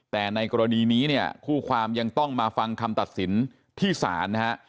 แต่ในกรณีนี้เนี่ยคู่ความยังต้องมาฟังคำตัดสินที่ศาลนะฮะ